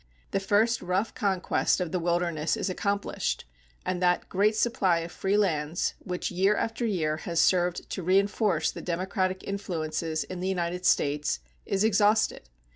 The first rough conquest of the wilderness is accomplished, and that great supply of free lands which year after year has served to reinforce the democratic influences in the United States is exhausted.